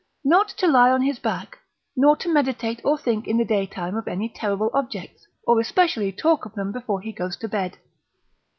not to lie on his back, not to meditate or think in the daytime of any terrible objects, or especially talk of them before he goes to bed.